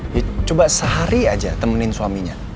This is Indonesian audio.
ya coba sehari aja temenin suaminya